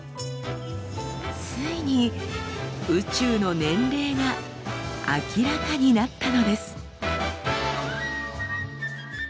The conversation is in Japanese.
ついに宇宙の年齢が明らかになったのです。